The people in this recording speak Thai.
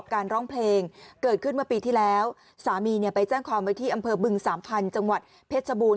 การร้องเพลงเกิดขึ้นเมื่อปีที่แล้วสามีเนี่ยไปแจ้งความไว้ที่อำเภอบึงสามพันธุ์จังหวัดเพชรบูรณ